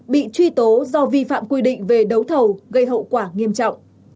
bị truy tố do vi phạm quy định về đấu thầu gây hậu quả nghiêm trọng